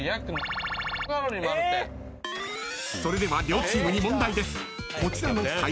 ［それでは両チームに問題です］